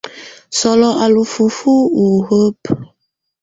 Sɔlɔ á lɛ ú fufuǝ́ u hǝ́bǝ.